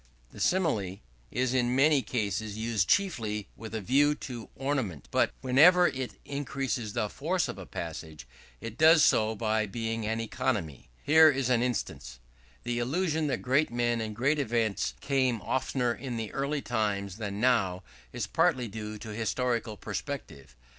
The Simile is in many cases used chiefly with a view to ornament, but whenever it increases the force of a passage, it does so by being an economy. Here in an instance: "The illusion that great men and great events came oftener in early times than now, is partly due to historical perspective.